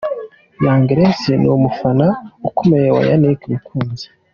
Young Grace ni umufana ukomeye wa Yannick Mukunzi :.